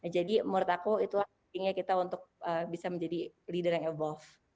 jadi menurut aku itu yang pentingnya kita untuk bisa menjadi leader yang evolve